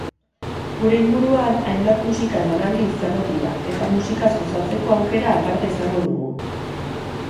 Gure inguruan hainbat musika-emanaldi izango dira eta musikaz gozatzeko aukera aparta izango dugu.